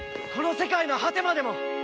この世界の果てまでも！